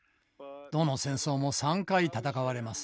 どの戦争も３回戦われます。